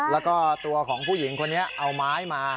แล้วก็ตัวของผู้หญิงคนนี้เอาไม้มา